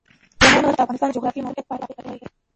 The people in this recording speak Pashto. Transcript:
سلیمان غر د افغانستان د جغرافیایي موقیعت پایله ده.